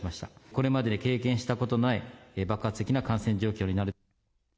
これまでに経験したことのない、爆発的な感染状況になると。